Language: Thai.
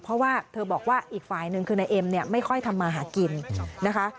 เพราะว่าเธอบอกว่าอีกฝ่ายหนึ่งคือนายเอ็มเนี่ยไม่ค่อยทำมาหากินนะคะ